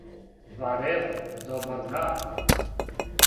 барев добар дан